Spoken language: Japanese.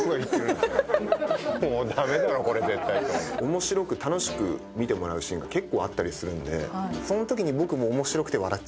面白く楽しく見てもらうシーンが結構あったりするんでそのときに僕も面白くて笑っちゃうみたいなことですね。